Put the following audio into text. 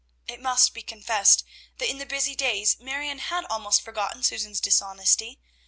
It must be confessed, that in the busy days Marion had almost forgotten Susan's dishonesty.